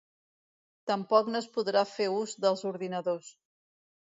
Tampoc no es podrà fer ús dels ordinadors.